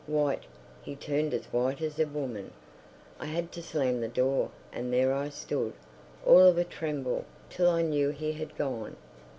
White! he turned as white as a woman. I had to slam the door, and there I stood, all of a tremble, till I knew he had gone.